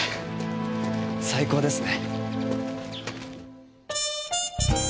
最高ですね。